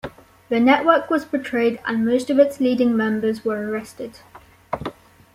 The network was betrayed and most of its leading members were arrested.